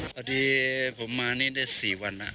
ตอนนี้ผมมานี่ได้สี่วัน